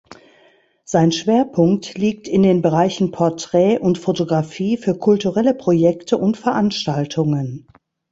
Sein Schwerpunkt liegt in den Bereichen Porträt und Fotografie für kulturelle Projekte und Veranstaltungen.